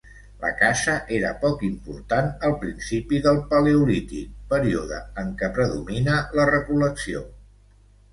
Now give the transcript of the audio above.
La caça era poc important al principi del paleolític, període en què predomina la recol·lecció.